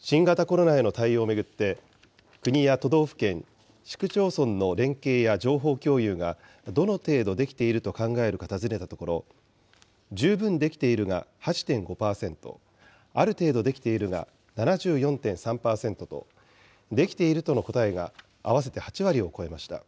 新型コロナへの対応を巡って、国や都道府県、市区町村の連携や情報共有がどの程度できていると考えるか尋ねたところ、十分できているが８．５％、ある程度できているが７４．３％と、できているとの答えが合わせて８割を超えました。